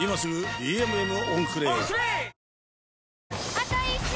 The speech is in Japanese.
あと１周！